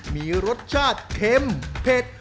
มีรสชาติเค็มเผ็ด